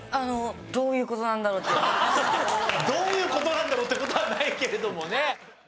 「どういう事なんだろう？」って事はないけれどもね。